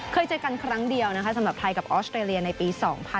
เคยเจอกันครั้งเดียวนะคะสำหรับไทยกับออสเตรเลียในปี๒๐๑๖